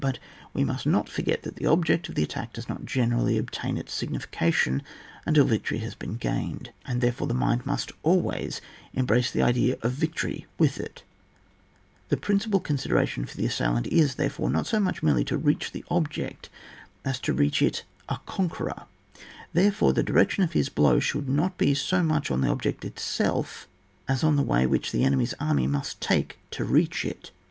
But we must not forget that the object of the attack does not generally obtain its sig nification until victory has been gained, and therefore the mind must always em brace the idea of victory with it; the principal consideration for the assailant is, therefore, not so much merely to reach the object as to reach it a conqueror; therefore the direction of his blow should be not so much on the object itself as on the way which the enemy's army must take to reach it.